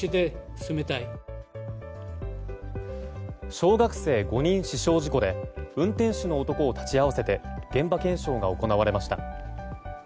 小学生５人死傷事故で運転手の男を立ち会わせて現場検証が行われました。